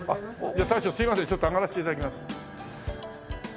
じゃあ大将すいませんちょっと上がらせて頂きます。